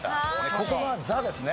ここはザですね。